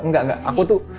engga engga aku tuh